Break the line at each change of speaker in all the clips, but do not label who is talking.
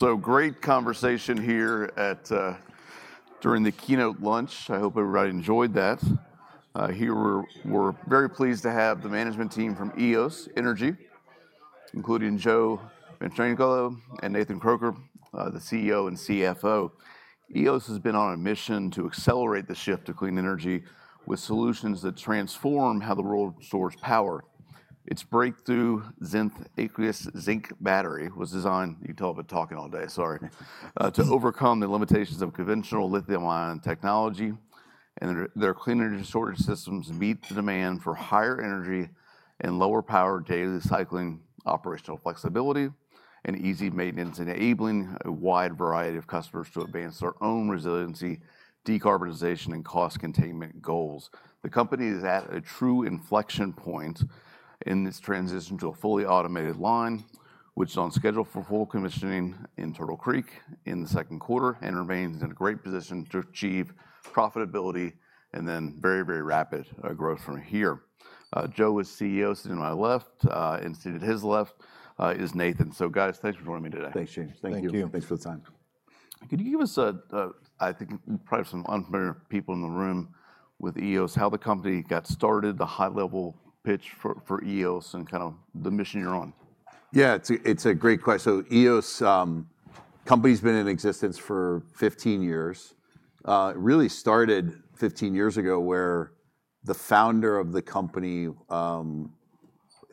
So great conversation here at, during the keynote lunch. I hope everybody enjoyed that. Here we're very pleased to have the management team from Eos Energy, including Joe Mastrangelo and Nathan Kroeker, the CEO and CFO. Eos has been on a mission to accelerate the shift to clean energy with solutions that transform how the world stores power. Its breakthrough Znyth aqueous zinc battery was designed. You talk about talking all day, sorry. To overcome the limitations of conventional lithium-ion technology, and their clean energy storage systems meet the demand for higher energy and lower power daily cycling, operational flexibility, and easy maintenance, enabling a wide variety of customers to advance their own resiliency, decarbonization, and cost containment goals. The company is at a true inflection point in this transition to a fully automated line, which is on schedule for full commissioning in Turtle Creek in the second quarter, and remains in a great position to achieve profitability and then very, very rapid, growth from here. Joe is CEO, sitting to my left, and seated at his left, is Nathan. So guys, thanks for joining me today.
Thanks, James.
Thank you.
Thanks for the time.
Could you give us a, I think probably some unfamiliar people in the room with Eos, how the company got started, the high level pitch for, for Eos, and kind of the mission you're on?
Yeah, it's a great question. So Eos, the company's been in existence for 15 years. It really started 15 years ago, where the founder of the company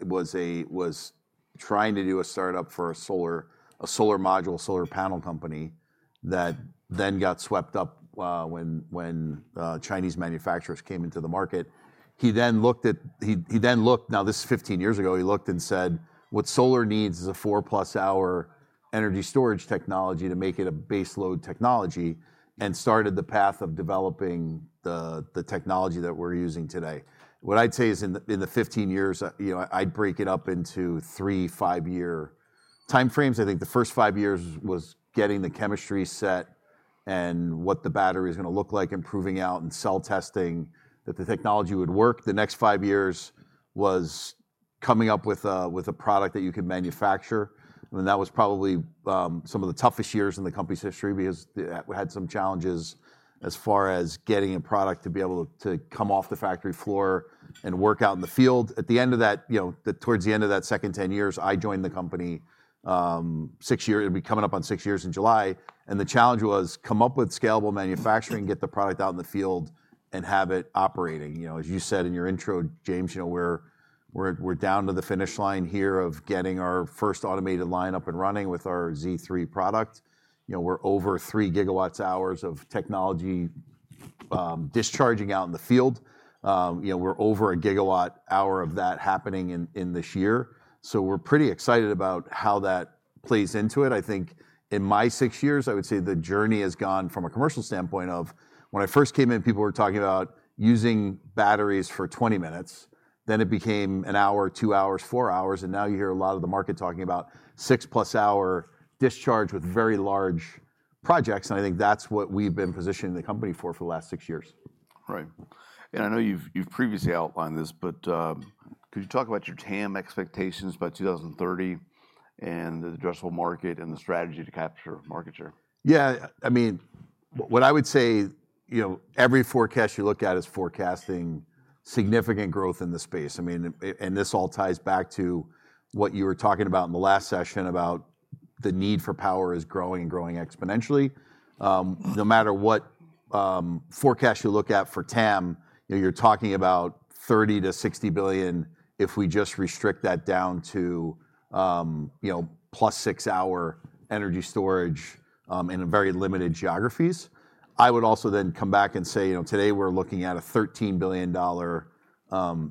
was trying to do a startup for a solar module, solar panel company, that then got swept up, when Chinese manufacturers came into the market. He then looked. Now, this is 15 years ago, he looked and said, "What solar needs is a 4+ hour energy storage technology to make it a base load technology," and started the path of developing the technology that we're using today. What I'd say is, in the 15 years, you know, I'd break it up into three five year timeframes. I think the first five years was getting the chemistry set and what the battery is gonna look like, and proving out and cell testing that the technology would work. The next five years was coming up with a product that you could manufacture, and that was probably some of the toughest years in the company's history because we had, we had some challenges as far as getting a product to be able to, to come off the factory floor and work out in the field. At the end of that, you know, towards the end of that second 10 years, I joined the company. It'll be coming up on six years in July, and the challenge was come up with scalable manufacturing, get the product out in the field, and have it operating. You know, as you said in your intro, James, you know, we're down to the finish line here of getting our first automated line up and running with our Z3 product. You know, we're over 3 gigawatt-hours of technology discharging out in the field. You know, we're over 1 gigawatt-hour of that happening in this year, so we're pretty excited about how that plays into it. I think in my six years, I would say the journey has gone, from a commercial standpoint, of when I first came in, people were talking about using batteries for 20 minutes. Then it became one hour, two hours, four hours, and now you hear a lot of the market talking about 6+ hour discharge with very large projects, and I think that's what we've been positioning the company for for the last six years.
Right. And I know you've previously outlined this, but, could you talk about your TAM expectations by 2030, and the addressable market, and the strategy to capture market share?
Yeah, I mean, what I would say, you know, every forecast you look at is forecasting significant growth in the space. I mean, and this all ties back to what you were talking about in the last session, about the need for power is growing and growing exponentially. No matter what forecast you look at for TAM, you know, you're talking about $30 billion-$60 billion, if we just restrict that down to, you know, plus six-hour energy storage, in a very limited geographies. I would also then come back and say, you know, today we're looking at a $13 billion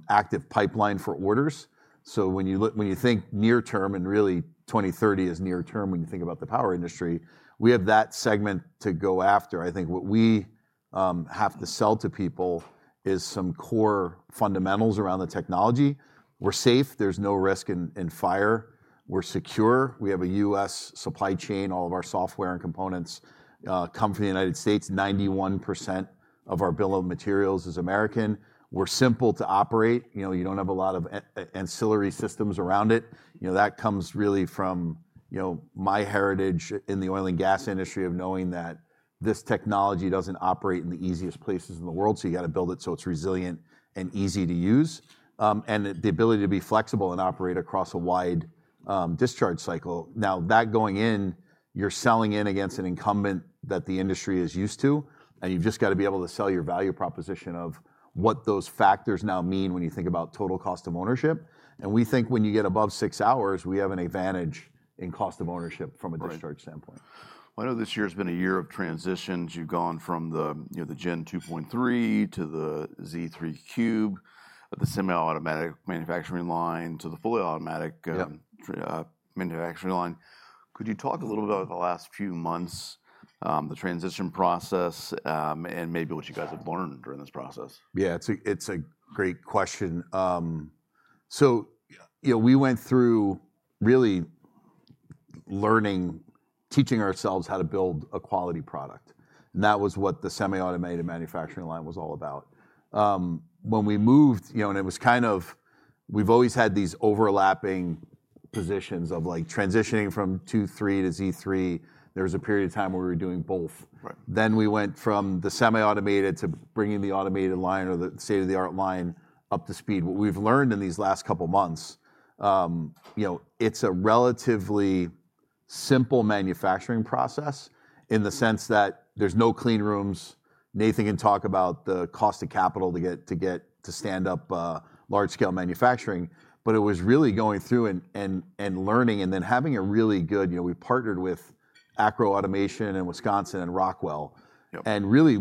active pipeline for orders. So when you think near term, and really, 2030 is near term when you think about the power industry, we have that segment to go after. I think what we have to sell to people is some core fundamentals around the technology. We're safe. There's no risk in, in fire. We're secure. We have a U.S. supply chain. All of our software and components come from the United States. 91% of our bill of materials is American. We're simple to operate. You know, you don't have a lot of ancillary systems around it. You know, that comes really from, you know, my heritage in the oil and gas industry, of knowing that this technology doesn't operate in the easiest places in the world, so you've got to build it so it's resilient and easy to use. And the ability to be flexible and operate across a wide discharge cycle. Now, that going in, you're selling in against an incumbent that the industry is used to, and you've just got to be able to sell your value proposition of what those factors now mean when you think about total cost of ownership. And we think when you get above six hours, we have an advantage in cost of ownership from a discharge standpoint.
Right. I know this year has been a year of transitions. You've gone from the, you know, the Gen 2.3 to the Z3 Cube, the semi-automatic manufacturing line to the fully automatic manufacturing line. Could you talk a little about the last few months, the transition process, and maybe what you guys have learned during this process?
Yeah, it's a, it's a great question. So, you know, we went through really learning, teaching ourselves how to build a quality product, and that was what the semi-automated manufacturing line was all about. When we moved, you know, and it was kind of... we've always had these overlapping positions of, like, transitioning from 2.3 to Z3. There was a period of time where we were doing both.
Right.
Then we went from the semi-automated to bringing the automated line or the state-of-the-art line up to speed. What we've learned in these last couple months, you know, it's a relatively simple manufacturing process in the sense that there's no clean rooms. Nathan can talk about the cost of capital to get to stand up large-scale manufacturing. But it was really going through and learning, and then having a really good. You know, we partnered with Acro Automation in Wisconsin, and Rockwell and really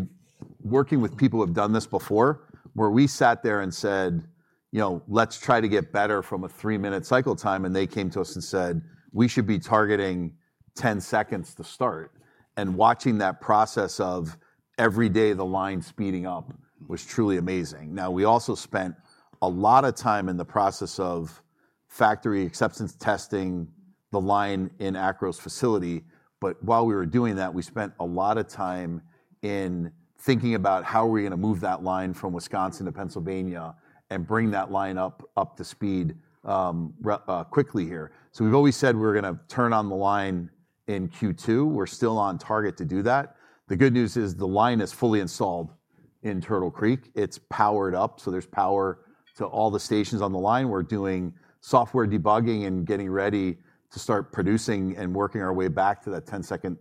working with people who have done this before, where we sat there and said, "You know, let's try to get better from a 3-minute cycle time," and they came to us and said, "We should be targeting 10 seconds to start." And watching that process of every day the line speeding up was truly amazing. Now, we also spent a lot of time in the process of factory acceptance testing the line in Acro's facility. But while we were doing that, we spent a lot of time thinking about how we are gonna move that line from Wisconsin to Pennsylvania and bring that line up to speed quickly here. So we've always said we're gonna turn on the line in Q2. We're still on target to do that. The good news is the line is fully installed in Turtle Creek. It's powered up, so there's power to all the stations on the line. We're doing software debugging and getting ready to start producing and working our way back to that 10-second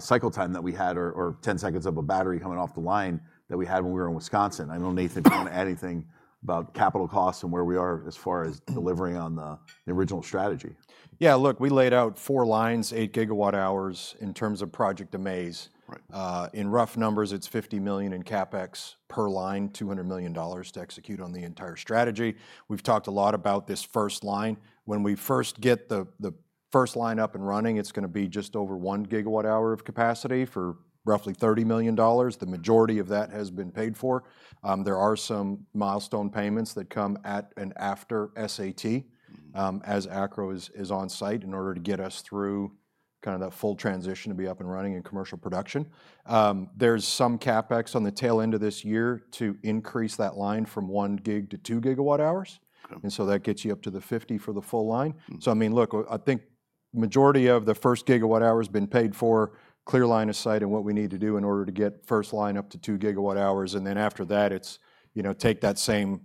cycle time that we had or ten seconds of a battery coming off the line that we had when we were in Wisconsin. I know, Nathan, do you want to add anything about capital costs and where we are as far as delivering on the original strategy?
Yeah, look, we laid out four lines, 8 GWh in terms of Project AMAZE.
Right.
In rough numbers, it's $50 million in CapEx per line, $200 million to execute on the entire strategy. We've talked a lot about this first line. When we first get the first line up and running, it's gonna be just over 1 GWh of capacity for roughly $30 million. The majority of that has been paid for. There are some milestone payments that come at and after SAT-
Mm-hmm.
As ACRO is on site, in order to get us through kind of the full transition to be up and running in commercial production. There's some CapEx on the tail end of this year to increase that line from 1 GWh to 2 GWh.
Okay.
And so that gets you up to the 50 for the full line.
Mm-hmm.
So, I mean, look, I think majority of the first gigawatt hour has been paid for. Clear line of sight in what we need to do in order to get first line up to 2 gigawatt hours, and then after that, it's, you know, take that same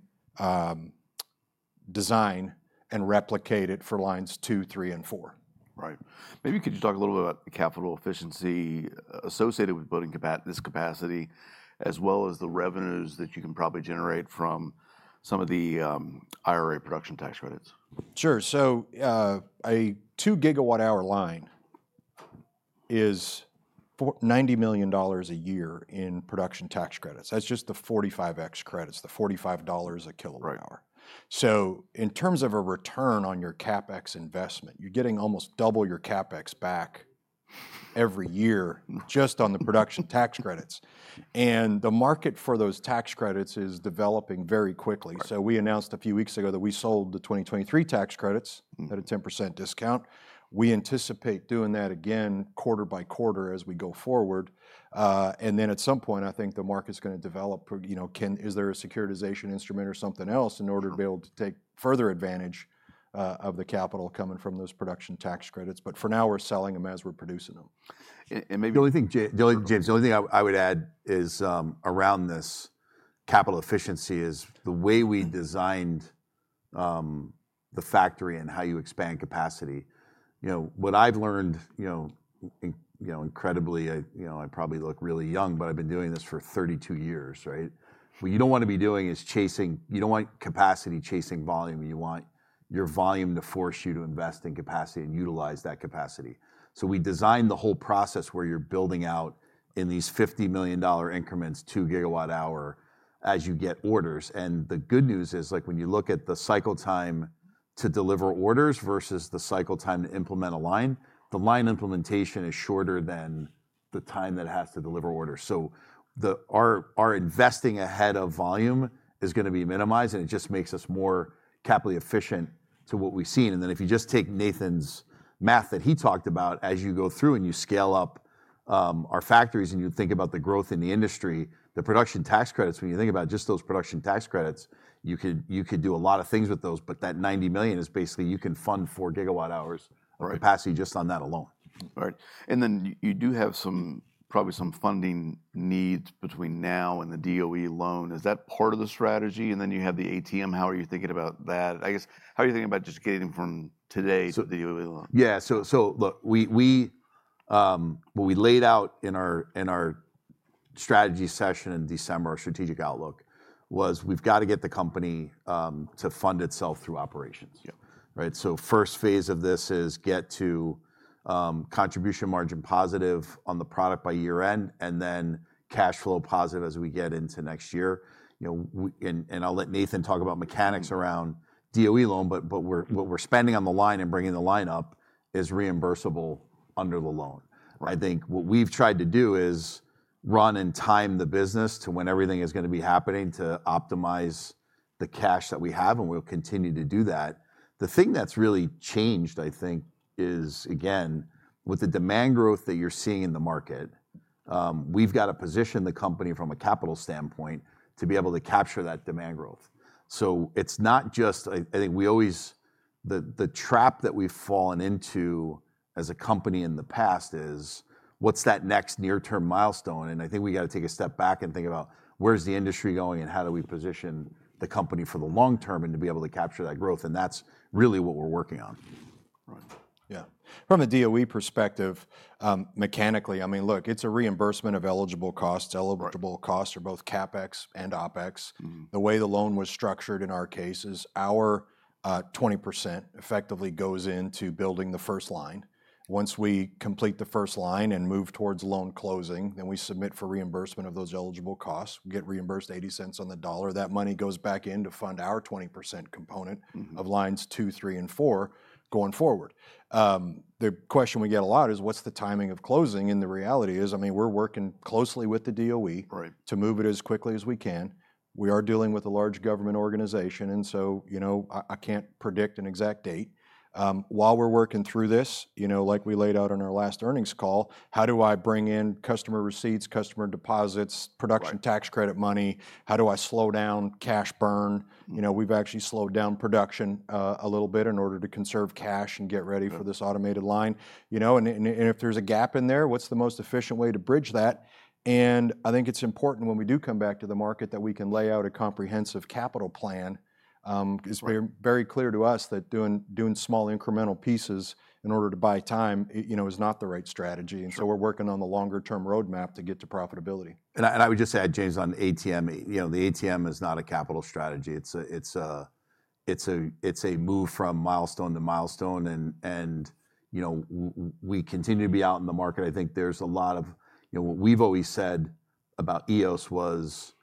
design and replicate it for lines 2, 3, and 4.
Right. Maybe you could just talk a little bit about the capital efficiency associated with building this capacity, as well as the revenues that you can probably generate from some of the IRA production tax credits.
Sure. So, a 2 GWh line is for $90 million a year in production tax credits. That's just the 45X credits, the $45 a kWh.
Right.
In terms of a return on your CapEx investment, you're getting almost double your CapEx back every year, just on the production tax credits. The market for those tax credits is developing very quickly.
Right.
So we announced a few weeks ago that we sold the 2023 tax credits at a 10% discount. We anticipate doing that again quarter by quarter as we go forward. And then at some point, I think the market's gonna develop, you know, is there a securitization instrument or something else in order to be able to take further advantage, of the capital coming from those production tax credits? But for now, we're selling them as we're producing them.
The only thing, James, the only thing I would add is around this capital efficiency is the way we designed the factory and how you expand capacity. You know, what I've learned, you know, incredibly, I probably look really young, but I've been doing this for 32 years, right? What you don't want to be doing is chasing. You don't want capacity chasing volume. You want your volume to force you to invest in capacity and utilize that capacity. So we designed the whole process where you're building out in these $50 million increments, 2 GWh, as you get orders. And the good news is, like, when you look at the cycle time to deliver orders versus the cycle time to implement a line, the line implementation is shorter than the time that it has to deliver orders. So our investing ahead of volume is gonna be minimized, and it just makes us more capital efficient to what we've seen. And then, if you just take Nathan's math that he talked about, as you go through and you scale up our factories, and you think about the growth in the industry, the production tax credits, when you think about just those production tax credits, you could do a lot of things with those. But that $90 million is basically, you can fund 4 GWh of capacity just on that alone.
Right.
And then you do have some, probably some funding needs between now and the DOE loan. Is that part of the strategy? And then you have the ATM. How are you thinking about that? I guess, how are you thinking about just getting from today-
So-
- to the DOE loan?
Yeah. So look, we... What we laid out in our strategy session in December, our strategic outlook, was we've got to get the company to fund itself through operations.
Yep.
Right? So first phase of this is get to contribution margin positive on the product by year-end, and then cash flow positive as we get into next year. You know, and I'll let Nathan talk about mechanics around DOE loan, but what we're spending on the line and bringing the line up is reimbursable under the loan.
Right.
I think what we've tried to do is run and time the business to when everything is gonna be happening, to optimize the cash that we have, and we'll continue to do that. The thing that's really changed, I think, is, again, with the demand growth that you're seeing in the market, we've got to position the company from a capital standpoint to be able to capture that demand growth. So it's not just, I think the trap that we've fallen into as a company in the past is, what's that next near-term milestone? And I think we've got to take a step back and think about where's the industry going, and how do we position the company for the long term and to be able to capture that growth? And that's really what we're working on. Right. Yeah. From a DOE perspective, mechanically, I mean, look, it's a reimbursement of eligible costs.
Right.
Eligible costs are both CapEx and OpEx.
Mm-hmm.
The way the loan was structured in our case is our 20% effectively goes into building the first line. Once we complete the first line and move towards loan closing, then we submit for reimbursement of those eligible costs. We get reimbursed $0.80 on the dollar. That money goes back in to fund our 20% component of lines two, three, and four going forward. The question we get a lot is, what's the timing of closing? The reality is, I mean, we're working closely with the DOE to move it as quickly as we can. We are dealing with a large government organization, and so, you know, I can't predict an exact date. While we're working through this, you know, like we laid out on our last earnings call, how do I bring in customer receipts, customer deposits production Tax Credit money? How do I slow down cash burn?
Mm.
You know, we've actually slowed down production, a little bit in order to conserve cash and get ready for this automated line. You know, and if there's a gap in there, what's the most efficient way to bridge that? And I think it's important when we do come back to the market, that we can lay out a comprehensive capital plan.
Right
It's very clear to us that doing small incremental pieces in order to buy time, you know, is not the right strategy.
Sure.
We're working on the longer term roadmap to get to profitability.
And I would just add, James, on ATM, you know, the ATM is not a capital strategy. It's a move from milestone to milestone and, you know, we continue to be out in the market. I think there's a lot of... You know, what we've always said about Eos was,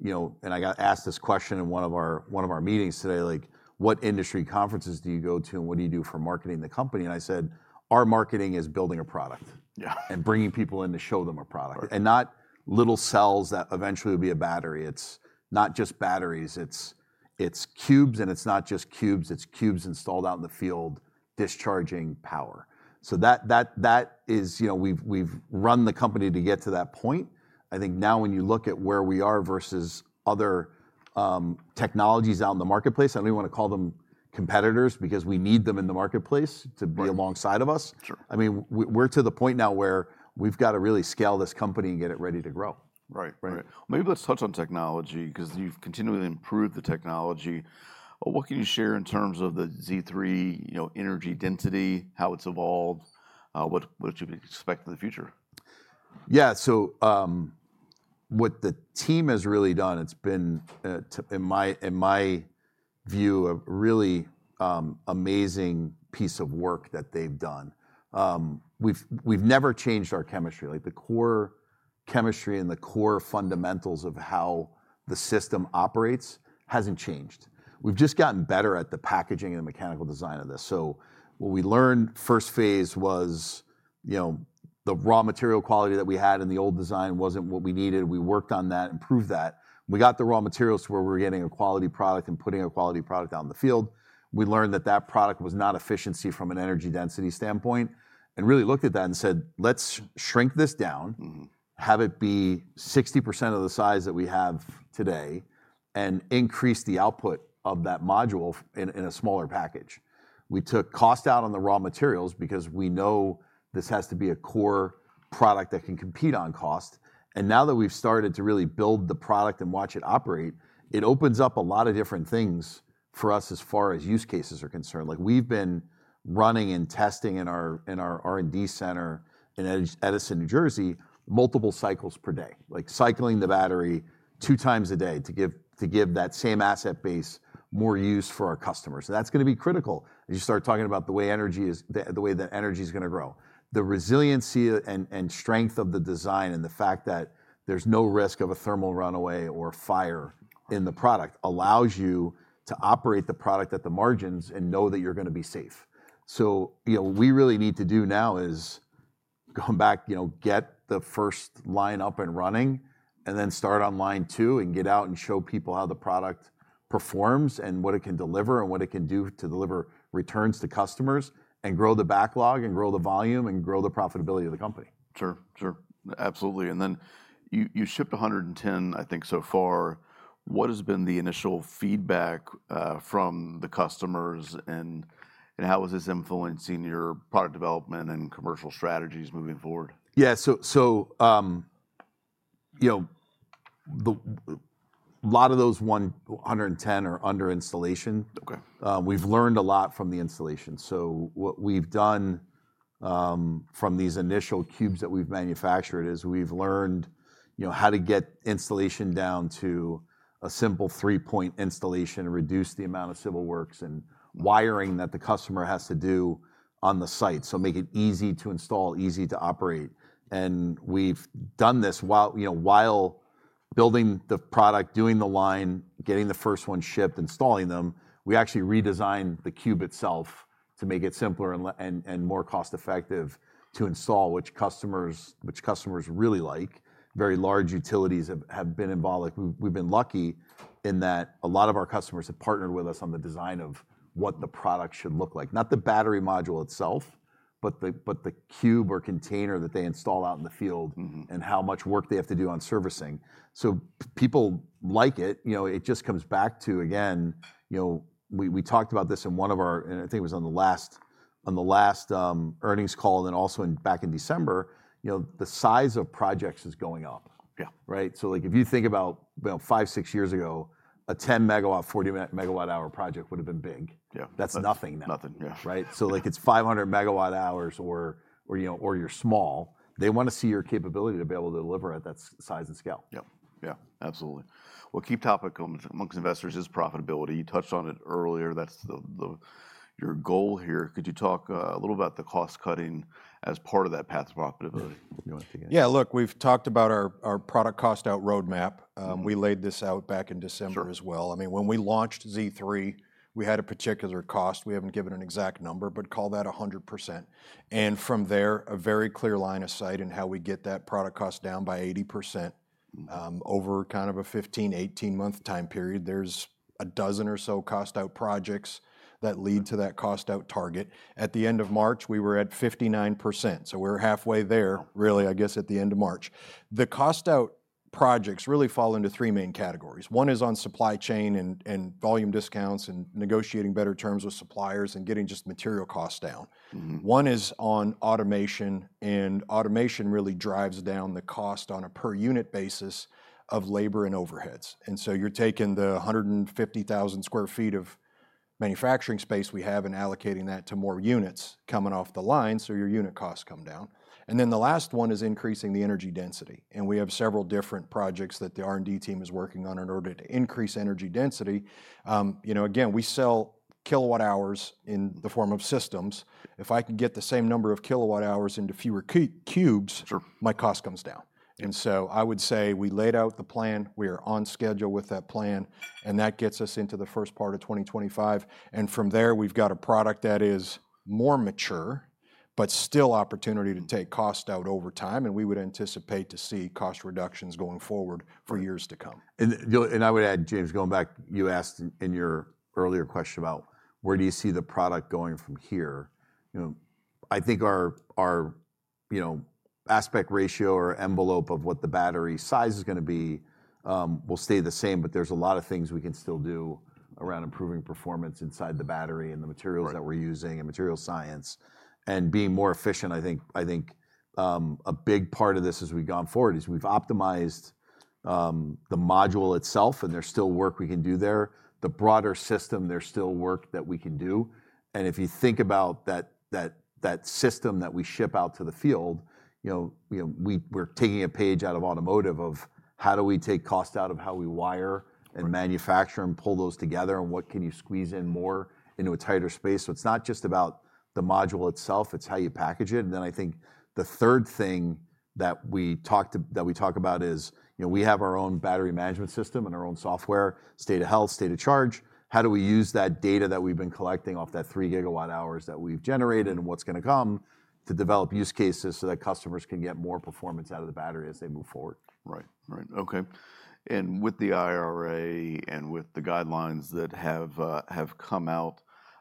you know, and I got asked this question in one of our meetings today, like, "What industry conferences do you go to, and what do you do for marketing the company?" And I said, "Our marketing is building a product and bringing people in to show them a product.
Right.
And not little cells that eventually will be a battery. It's not just batteries, it's, it's cubes, and it's not just cubes, it's cubes installed out in the field, discharging power. So that is, you know, we've run the company to get to that point. I think now when you look at where we are versus other technologies out in the marketplace, I don't even want to call them competitors, because we need them in the marketplace to be alongside of us.
Sure.
I mean, we're to the point now where we've got to really scale this company and get it ready to grow.
Right.
Right.
Right. Maybe let's touch on technology, 'cause you've continually improved the technology. What can you share in terms of the Z3, you know, energy density, how it's evolved, what should we expect in the future?
Yeah, so, what the team has really done, it's been, in my, in my view, a really, amazing piece of work that they've done. We've, we've never changed our chemistry. Like, the core chemistry and the core fundamentals of how the system operates hasn't changed. We've just gotten better at the packaging and the mechanical design of this. So what we learned first phase was, you know, the raw material quality that we had in the old design wasn't what we needed. We worked on that, improved that. We got the raw materials to where we were getting a quality product and putting a quality product out in the field. We learned that that product was not efficiency from an energy density standpoint, and really looked at that and said, "Let's shrink this down have it be 60% of the size that we have today, and increase the output of that module in a smaller package." We took cost out on the raw materials because we know this has to be a core product that can compete on cost. And now that we've started to really build the product and watch it operate, it opens up a lot of different things for us as far as use cases are concerned. Like, we've been running and testing in our R&D center in Edison, New Jersey, multiple cycles per day. Like, cycling the battery 2 times a day to give that same asset base more use for our customers, and that's gonna be critical as you start talking about the way energy is, the way that energy is gonna grow. The resiliency and strength of the design, and the fact that there's no risk of a thermal runaway or fire in the product, allows you to operate the product at the margins and know that you're gonna be safe. So, you know, we really need to do now is go back, you know, get the first line up and running, and then start on line two, and get out and show people how the product performs, and what it can deliver, and what it can do to deliver returns to customers, and grow the backlog, and grow the volume, and grow the profitability of the company.
Sure. Sure. Absolutely, and then you shipped 110, I think, so far. What has been the initial feedback from the customers, and how is this influencing your product development and commercial strategies moving forward?
Yeah, so, you know, a lot of those 1-110 are under installation.
Okay.
We've learned a lot from the installation. So what we've done, from these initial cubes that we've manufactured, is we've learned, you know, how to get installation down to a simple three-point installation, and reduce the amount of civil works and wiring that the customer has to do on the site. So make it easy to install, easy to operate. And we've done this while, you know, while building the product, doing the line, getting the first one shipped, installing them. We actually redesigned the cube itself to make it simpler and and more cost-effective to install, which customers really like. Very large utilities have been involved. Like, we've been lucky in that a lot of our customers have partnered with us on the design of what the product should look like. Not the battery module itself but the cube or container that they install out in the field-
Mm-hmm.
And how much work they have to do on servicing. So people like it. You know, it just comes back to, again, you know, we talked about this in one of our... And I think it was on the last earnings call, and then also back in December, you know, the size of projects is going up.
Yeah.
Right? So, like, if you think about, you know, five, six years ago, a 10-MW, 40-MWh project would've been big.
Yeah.
That's nothing now.
Nothing, yeah.
Right? So, like, it's 500 MWh or, you know, or you're small. They wanna see your capability to be able to deliver at that size and scale.
Yep. Yeah, absolutely. Well, key topic amongst investors is profitability. You touched on it earlier. That's your goal here. Could you talk a little about the cost-cutting as part of that path to profitability? You want to take it?
Yeah, look, we've talked about our, our product cost-out roadmap.
Mm-hmm.
We laid this out back in December as well.
Sure.
I mean, when we launched Z3, we had a particular cost. We haven't given an exact number, but call that 100%. And from there, a very clear line of sight in how we get that product cost down by 80%, over kind of a 15-18-month time period. There's a dozen or so cost-out projects that lead to that cost-out target. At the end of March, we were at 59%, so we're halfway there-
Wow
I guess, at the end of March. The cost-out projects really fall into three main categories. One is on supply chain and volume discounts, and negotiating better terms with suppliers, and getting just material costs down.
Mm-hmm.
One is on automation, and automation really drives down the cost on a per-unit basis of labor and overheads. And so you're taking the 150,000 sq ft of manufacturing space we have and allocating that to more units coming off the line, so your unit costs come down. And then the last one is increasing the energy density, and we have several different projects that the R&D team is working on in order to increase energy density. You know, again, we sell kilowatt hours in the form of systems. If I can get the same number of kilowatt hours into fewer cubes my cost comes down.
Yeah.
And so I would say we laid out the plan, we are on schedule with that plan, and that gets us into the first part of 2025. And from there, we've got a product that is more mature, but still opportunity to take cost out over time, and we would anticipate to see cost reductions going forward for years to come.
I would add, James, going back, you asked in your earlier question about: Where do you see the product going from here? You know, I think our, you know, aspect ratio or envelope of what the battery size is gonna be will stay the same, but there's a lot of things we can still do around improving performance inside the battery, and the materials that we're using, and material science, and being more efficient. I think a big part of this as we've gone forward is we've optimized the module itself, and there's still work we can do there. The broader system, there's still work that we can do. And if you think about that system that we ship out to the field, you know, we're taking a page out of automotive of: how do we take cost out of how we wire and manufacture and pull those together, and what can you squeeze in more into a tighter space? So it's not just about the module itself, it's how you package it. And then I think the third thing that we talk about is, you know, we have our own battery management system and our own software, state of health, state of charge. How do we use that data that we've been collecting off that 3 GWh that we've generated and what's gonna come, to develop use cases so that customers can get more performance out of the battery as they move forward?
Right. Right, okay. And with the IRA and with the guidelines that have come out,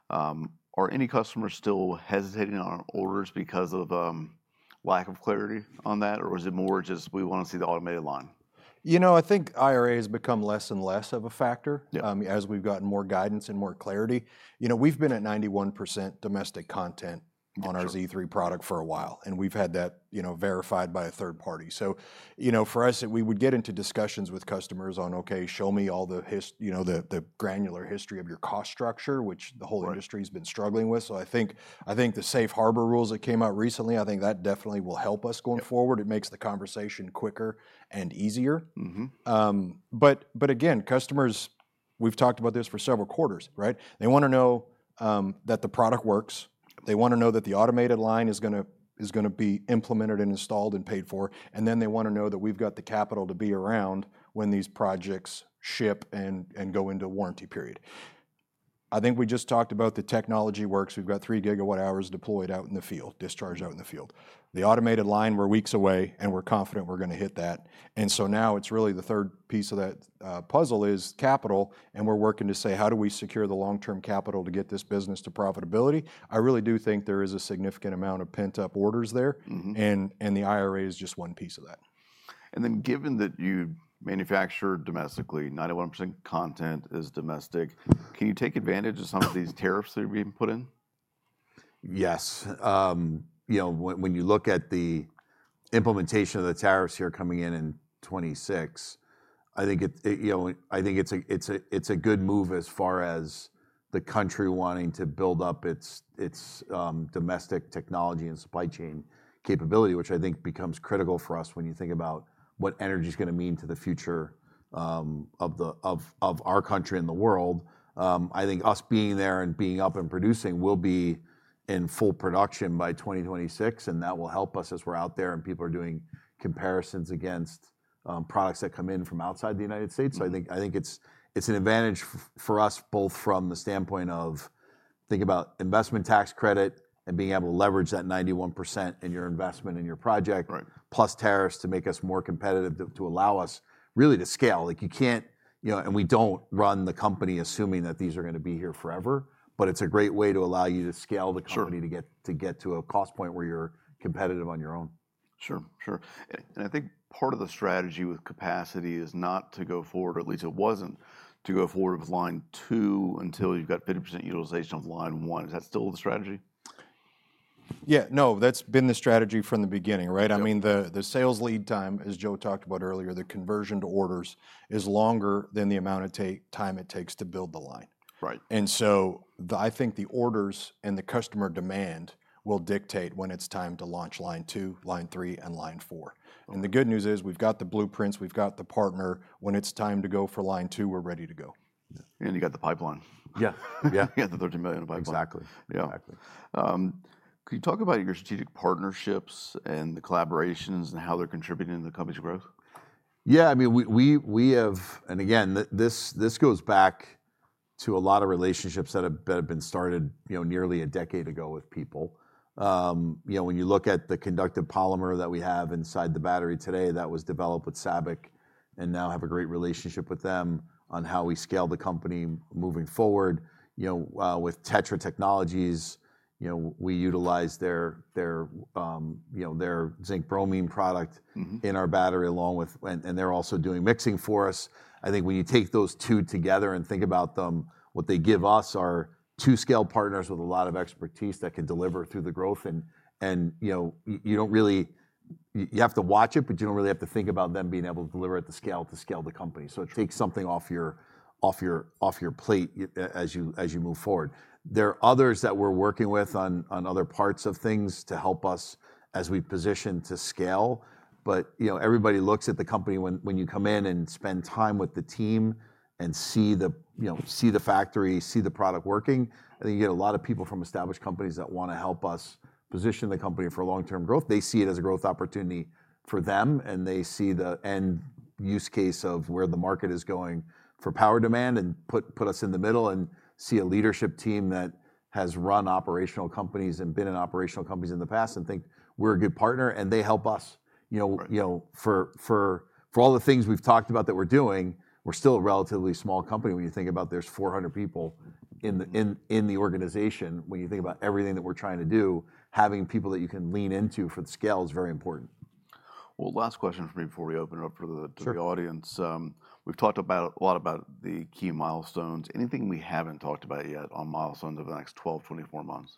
are any customers still hesitating on orders because of lack of clarity on that? Or is it more just, "We wanna see the automated line"?
You know, I think IRA has become less and less of a factor- as we've gotten more guidance and more clarity. You know, we've been at 91% domestic content on our Z3 product for a while, and we've had that, you know, verified by a third party. So, you know, for us, we would get into discussions with customers on, "Okay, show me all the, you know, the granular history of your cost structure," which the whole industry has been struggling with. So I think, I think the Safe Harbor rules that came out recently, I think that definitely will help us going forward.
Yeah.It makes the conversation quicker and easier. Mm-hmm.
But again, customers, we've talked about this for several quarters, right? They wanna know that the product works.
Yeah.
They wanna know that the automated line is gonna be implemented and installed and paid for, and then they wanna know that we've got the capital to be around when these projects ship and go into warranty period. I think we just talked about the technology works. We've got 3 gigawatt hours deployed out in the field, discharged out in the field. The automated line, we're weeks away, and we're confident we're gonna hit that. And so now it's really the third piece of that puzzle is capital, and we're working to say: How do we secure the long-term capital to get this business to profitability? I really do think there is a significant amount of pent-up orders there and the IRA is just one piece of that.
Then, given that you manufacture domestically, 91% content is domestic, can you take advantage of some of these tariffs that are being put in?
Yes. You know, when you look at the implementation of the tariffs here coming in in 2026, I think it you know. I think it's a good move as far as the country wanting to build up its domestic technology and supply chain capability, which I think becomes critical for us when you think about what energy's gonna mean to the future of our country and the world. I think us being there and being up and producing, we'll be in full production by 2026, and that will help us as we're out there and people are doing comparisons against products that come in from outside the United States.
Mm.
So I think it's an advantage for us, both from the standpoint of, think about investment tax credit and being able to leverage that 91% in your investment, in your project plus tariffs to make us more competitive, to allow us really to scale. Like, you can't, you know, and we don't run the company assuming that these are gonna be here forever, but it's a great way to allow you to scale the company to get to a cost point where you're competitive on your own.
Sure, sure. And I think part of the strategy with capacity is not to go forward, or at least it wasn't, to go forward with line two until you've got 50% utilization of line one. Is that still the strategy?
Yeah, no, that's been the strategy from the beginning, right?
Yep.
I mean, the sales lead time, as Joe talked about earlier, the conversion to orders is longer than the time it takes to build the line.
Right.
And so I think the orders and the customer demand will dictate when it's time to launch line two, line three, and line four.
Right.
The good news is, we've got the blueprints, we've got the partner. When it's time to go for line two, we're ready to go.
Yeah.
You've got the pipeline.
Yeah, yeah.
You got the $13 million pipeline.
Exactly.
Yeah.
Exactly. Can you talk about your strategic partnerships and the collaborations, and how they're contributing to the company's growth?
Yeah, I mean, we have, And again, this goes back to a lot of relationships that have been started, you know, nearly a decade ago with people. You know, when you look at the conductive polymer that we have inside the battery today, that was developed with SABIC, and now have a great relationship with them on how we scale the company moving forward. You know, with TETRA Technologies, you know, we utilize their zinc-bromine product in our battery, along with and they're also doing mixing for us. I think when you take those two together and think about them, what they give us are two scale partners with a lot of expertise that can deliver through the growth. And, you know, you don't really... You have to watch it, but you don't really have to think about them being able to deliver at the scale, to scale the company.
Sure.
So it takes something off your plate as you move forward. There are others that we're working with on other parts of things to help us as we position to scale. But, you know, everybody looks at the company when you come in and spend time with the team and see the, you know, see the factory, see the product working. I think you get a lot of people from established companies that wanna help us position the company for long-term growth. They see it as a growth opportunity for them, and they see the end use case of where the market is going for power demand, and put us in the middle, and see a leadership team that has run operational companies and been in operational companies in the past, and think we're a good partner, and they help us. You know.
Right
You know, for all the things we've talked about that we're doing, we're still a relatively small company. When you think about there's 400 people in the organization, when you think about everything that we're trying to do, having people that you can lean into for the scale is very important.
Well, last question from me before we open it up for the, the audience. We've talked a lot about the key milestones. Anything we haven't talked about yet on milestones over the next 12, 24 months?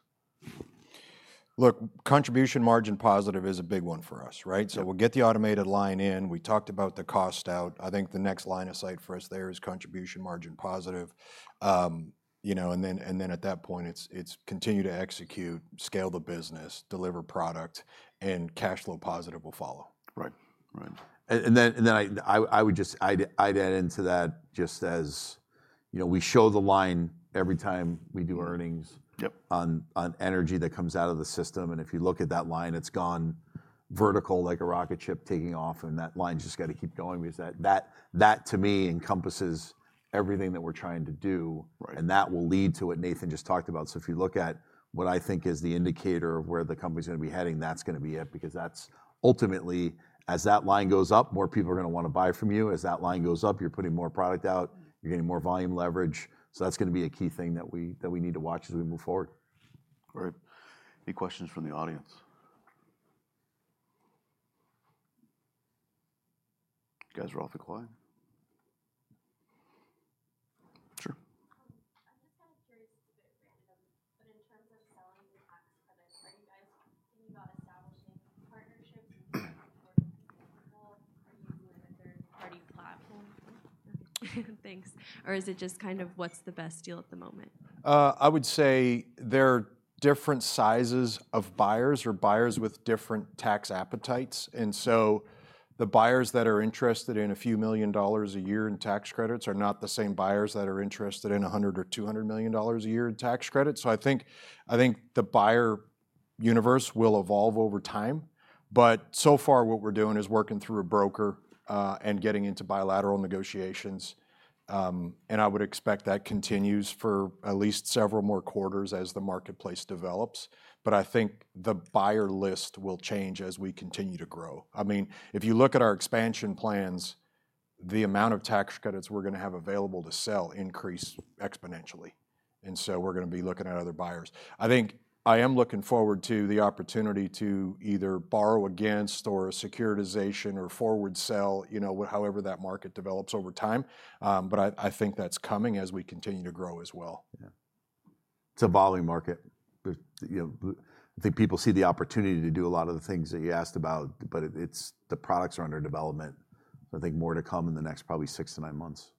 Look, contribution margin positive is a big one for us, right?
Yep.
So we'll get the automated line in. We talked about the cost out. I think the next line of sight for us there is contribution margin positive. You know, and then, and then at that point, it's, it's continue to execute, scale the business, deliver product, and cash flow positive will follow.
Right. Right.
I would just, I'd add into that, just as, you know, we show the line every time we do earnings on energy that comes out of the system, and if you look at that line, it's gone vertical like a rocket ship taking off, and that line's just got to keep going. Because that to me encompasses everything that we're trying to do.
Right.
And that will lead to what Nathan just talked about. So if you look at what I think is the indicator of where the company's gonna be heading, that's gonna be it, because that's ultimately, as that line goes up, more people are gonna want to buy from you. As that line goes up, you're putting more product out, you're getting more volume leverage. So that's gonna be a key thing that we need to watch as we move forward.
Great. Any questions from the audience? You guys are all quiet. Sure.
I'm just kind of curious, it's a bit random, but in terms of selling the tax credit, are you guys thinking about establishing partnerships with people? Are you doing a third-party platform? Thanks. Or is it just kind of what's the best deal at the moment?
I would say there are different sizes of buyers, or buyers with different tax appetites. So the buyers that are interested in $a few million a year in tax credits are not the same buyers that are interested in $100 or $200 million a year in tax credits. I think, I think the buyer universe will evolve over time, but so far what we're doing is working through a broker, and getting into bilateral negotiations. I would expect that continues for at least several more quarters as the marketplace develops. I think the buyer list will change as we continue to grow. I mean, if you look at our expansion plans, the amount of tax credits we're gonna have available to sell increase exponentially, and so we're gonna be looking at other buyers. I think I am looking forward to the opportunity to either borrow against, or securitization, or forward sell, you know, whatever that market develops over time. But I think that's coming as we continue to grow as well.
Yeah. It's evolving market. There's, you know, I think people see the opportunity to do a lot of the things that you asked about, but it, it's... The products are under development. So I think more to come in the next probably 6-9 months.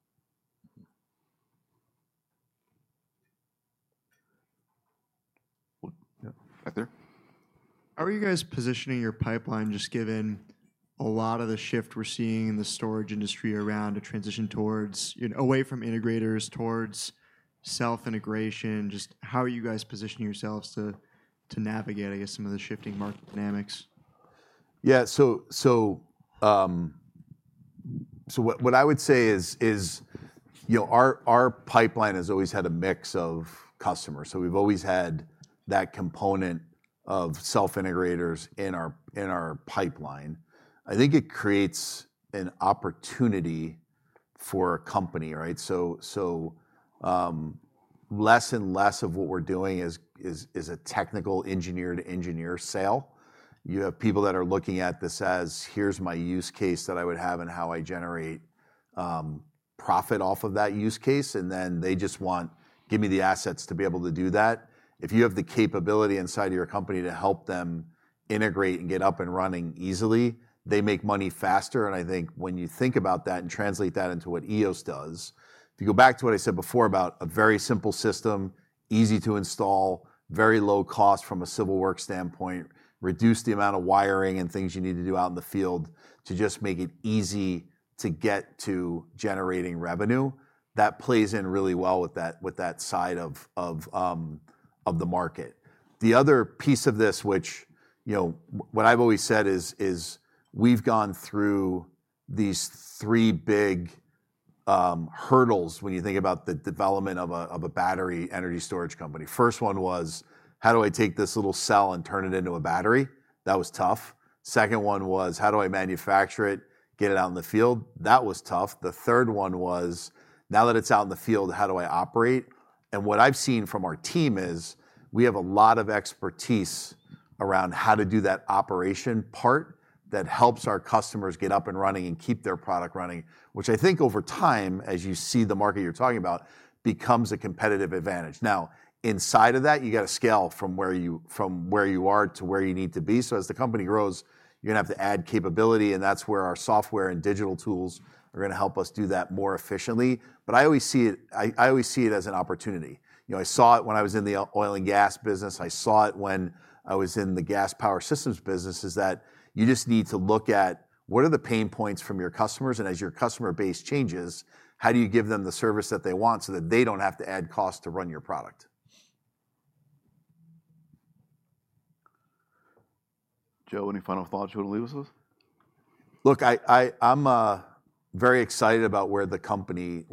Well, yeah. Right there.
How are you guys positioning your pipeline, just given a lot of the shift we're seeing in the storage industry around a transition towards, you know, away from integrators, towards self-integration? Just how are you guys positioning yourselves to navigate, I guess, some of the shifting market dynamics?
Yeah, so what I would say is, you know, our pipeline has always had a mix of customers, so we've always had that component of self-integrators in our pipeline. I think it creates an opportunity for a company, right? So, less and less of what we're doing is a technical engineer to engineer sale. You have people that are looking at this as, "Here's my use case that I would have and how I generate profit off of that use case," and then they just want, "Give me the assets to be able to do that." If you have the capability inside of your company to help them integrate and get up and running easily, they make money faster, and I think when you think about that and translate that into what Eos does. If you go back to what I said before about a very simple system, easy to install, very low cost from a civil work standpoint, reduce the amount of wiring and things you need to do out in the field to just make it easy to get to generating revenue, that plays in really well with that, with that side of, of, of the market. The other piece of this, which, you know, what I've always said is, we've gone through these three big hurdles when you think about the development of a battery energy storage company. First one was, "How do I take this little cell and turn it into a battery?" That was tough. Second one was, "How do I manufacture it, get it out in the field?" That was tough. The third one was, "Now that it's out in the field, how do I operate?" And what I've seen from our team is we have a lot of expertise around how to do that operation part that helps our customers get up and running and keep their product running, which I think over time, as you see the market you're talking about, becomes a competitive advantage. Now, inside of that, you've got to scale from where you, from where you are to where you need to be. So as the company grows, you're gonna have to add capability, and that's where our software and digital tools are gonna help us do that more efficiently. But I always see it, I, I always see it as an opportunity. You know, I saw it when I was in the oil and gas business. I saw it when I was in the gas power systems business. It's that you just need to look at what are the pain points from your customers, and as your customer base changes, how do you give them the service that they want so that they don't have to add cost to run your product?
Joe, any final thoughts you want to leave us with?
Look, I'm very excited about where the company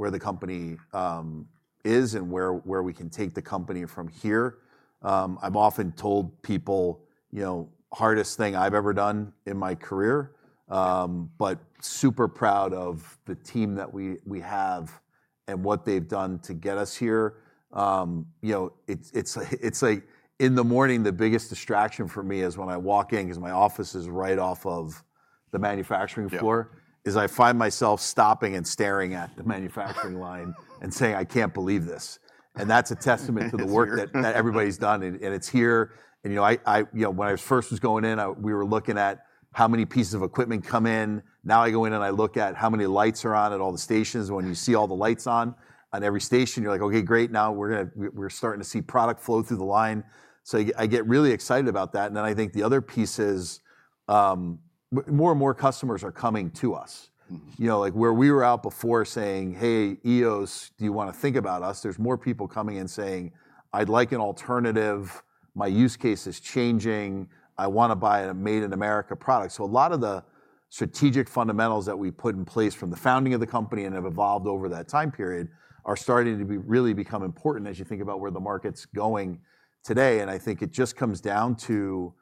is and where we can take the company from here. I've often told people, you know, hardest thing I've ever done in my career, but super proud of the team that we have and what they've done to get us here. You know, it's like in the morning, the biggest distraction for me is when I walk in, 'cause my office is right off of the manufacturing floor is I find myself stopping and staring at the manufacturing line and saying, "I can't believe this.
It's here.
That's a testament to the work that everybody's done, and it's here. You know, when I first was going in, we were looking at how many pieces of equipment come in. Now, I go in and I look at how many lights are on at all the stations. When you see all the lights on every station, you're like: Okay, great, now we're starting to see product flow through the line. So I get really excited about that, and then I think the other piece is, more and more customers are coming to us.
Mm-hmm.
You know, like, where we were out before saying, "Hey, Eos, do you want to think about us?" There's more people coming in saying, "I'd like an alternative. My use case is changing. I want to buy a made-in-America product." So a lot of the strategic fundamentals that we put in place from the founding of the company and have evolved over that time period are starting to be really become important as you think about where the market's going today, and I think it just comes down to,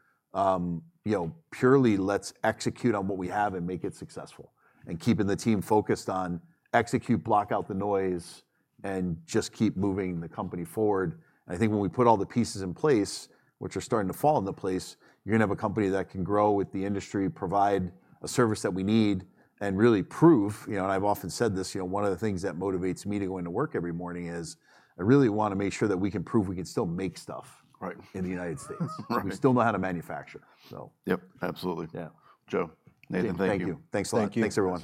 you know, purely, let's execute on what we have and make it successful. And keeping the team focused on execute, block out the noise, and just keep moving the company forward. I think when we put all the pieces in place, which are starting to fall into place, you're gonna have a company that can grow with the industry, provide a service that we need, and really prove... You know, and I've often said this, you know, one of the things that motivates me to go into work every morning is I really want to make sure that we can prove we can still make stuff in the United States.
Right.
We still know how to manufacture, so.
Yep, absolutely.
Yeah.
Joe, Nathan, thank you.
Thank you. Thanks a lot.
Thank you.
Thanks, everyone.